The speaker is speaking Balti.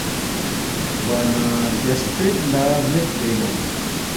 گوانہ رگیاسترِد لہ میدپے ننگ